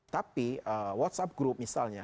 tapi whatsapp group misalnya